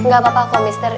gak apa apa kok mr